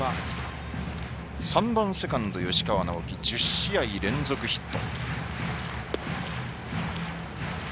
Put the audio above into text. ３番吉川尚輝１０試合連続ヒット。